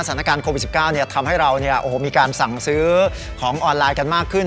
สถานการณ์โควิด๑๙ทำให้เรามีการสั่งซื้อของออนไลน์กันมากขึ้น